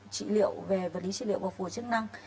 trị liệu về vật lý trị liệu và phù hợp chức năng